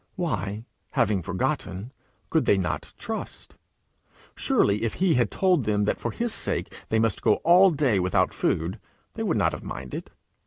Why, having forgotten, could they not trust? Surely if he had told them that for his sake they must go all day without food, they would not have minded!